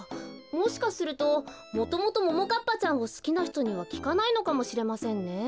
もしかするともともとももかっぱちゃんをすきなひとにはきかないのかもしれませんね。